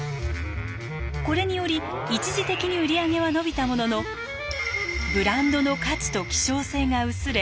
これにより一時的に売り上げは伸びたもののブランドの価値と希少性が薄れ